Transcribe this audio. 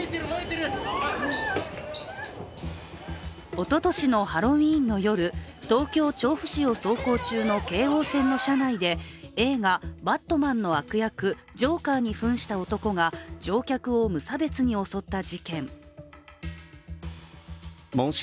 おととしのハロウィーンの夜、東京・調布市を走行中の京王線の車内で、映画「バットマン」の悪役・ジョーカーに扮した男が乗客を無差別に襲った事件。